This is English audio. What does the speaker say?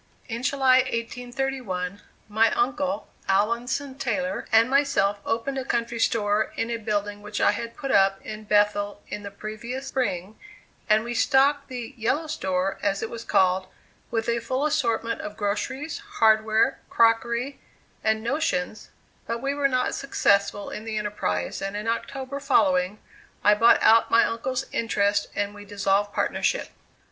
In July, 1831, my uncle, Alanson Taylor, and myself opened a country store, in a building, which I had put up in Bethel in the previous spring, and we stocked the "yellow store," as it was called, with a full assortment of groceries, hardware, crockery, and "notions"; but we were not successful in the enterprise, and in October following, I bought out my uncle's interest and we dissolved partnership.